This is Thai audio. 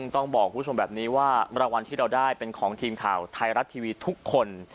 ต้องบอกคุณผู้ชมแบบนี้ว่ารางวัลที่เราได้เป็นของทีมข่าวไทยรัฐทีวีทุกคน